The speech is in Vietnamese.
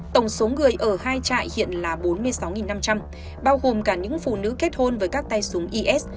tổng số người ở hai trại hiện là bốn mươi sáu năm trăm linh bao gồm cả những phụ nữ kết hôn với các tay súng is